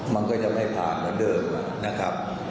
มันก็จะไม่ผ่านเหมือนเดิมนะครับ